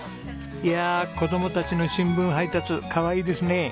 いや子供たちの新聞配達かわいいですね。